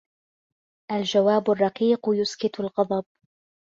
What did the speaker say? الجواب الرقيق يسكت الغضب.